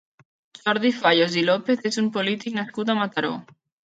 Jordi Fayos i López és un polític nascut a Mataró.